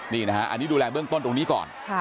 นี่นะฮะอันนี้ดูแลเบื้องต้นตรงนี้ก่อน